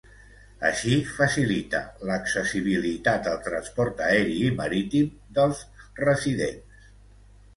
Així facilita l’accessibilitat al transport aeri i marítim dels residents.